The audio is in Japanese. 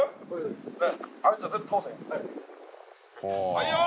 はいよ！